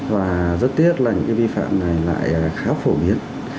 và rất tiếc là những cái vi phạm này lại khá phổ biến